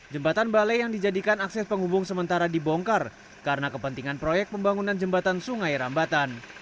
jembatan balai yang dijadikan akses penghubung sementara dibongkar karena kepentingan proyek pembangunan jembatan sungai rambatan